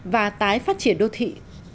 và tái phát triển đô thị